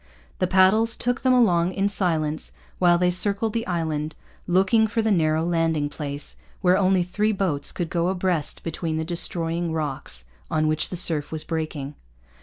The paddles took them along in silence while they circled the island, looking for the narrow landing place, where only three boats could go abreast between the destroying rocks on which the surf was breaking.